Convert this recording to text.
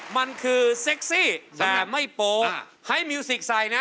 มันคือเซ็กซี่แต่ไม่โป๊ให้มิวสิกใส่นะ